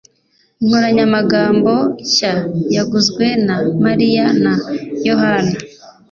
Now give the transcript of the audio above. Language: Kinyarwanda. Inkoranyamagambo nshya yaguzwe na Mariya na Yohana